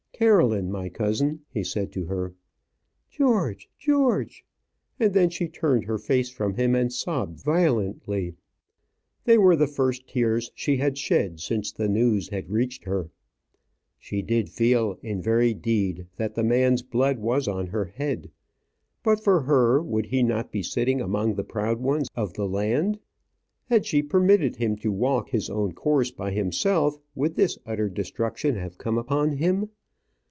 "Caroline, my cousin," he said to her. "George, George." And then she turned her face from him, and sobbed violently. They were the first tears she had shed since the news had reached her. She did feel, in very deed, that the man's blood was on her head. But for her, would he not be sitting among the proud ones of the land? Had she permitted him to walk his own course by himself, would this utter destruction have come upon him?